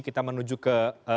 kita menuju ke